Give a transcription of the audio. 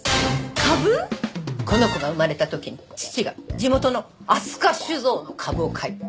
この子が生まれた時に父が地元の飛鳥酒造の株を買い行人さん